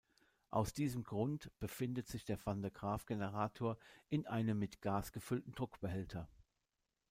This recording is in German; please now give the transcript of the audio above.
Aus diesem Grund befindet sich der Van-de-Graaff-Generator in einem mit Gas gefüllten Druckbehälter.